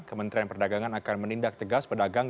kementerian perdagangan akan menindak tegas pedagang